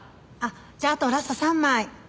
じゃああとラスト３枚。